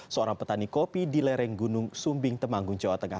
seorang petani kopi di lereng gunung sumbing temanggung jawa tengah